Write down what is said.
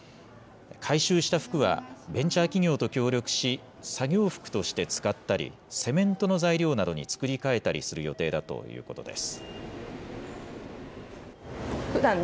回収した服は、ベンチャー企業と協力し、作業服として使ったり、セメントの材料などに作り替えたりする予定だということです。